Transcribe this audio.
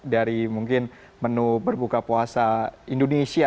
dari mungkin menu berbuka puasa indonesia